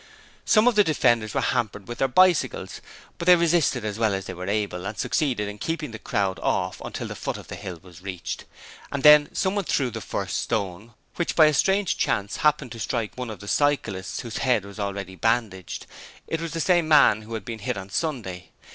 Some of the defenders were hampered with their bicycles, but they resisted as well as they were able, and succeeded in keeping the crowd off until the foot of the hill was reached, and then someone threw the first stone, which by a strange chance happened to strike one of the cyclists whose head was already bandaged it was the same man who had been hit on the Sunday.